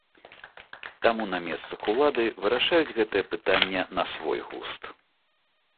Таму на месцах улады вырашаюць гэтае пытанне на свой густ.